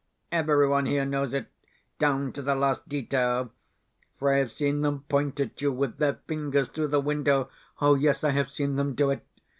Everyone here knows it, down to the last detail, for I have seen them point at you with their fingers through the window. Oh yes, I have seen them do it.